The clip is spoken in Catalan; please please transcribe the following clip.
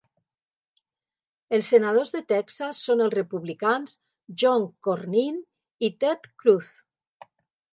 Els senadors de Texas són els republicans John Cornyn i Ted Cruz.